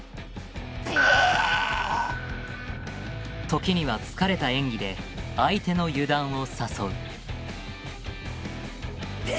時には疲れた演技で相手の油断を誘う。